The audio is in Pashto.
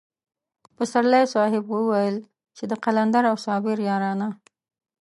پسرلی صاحب به ويل چې د قلندر او صابر يارانه.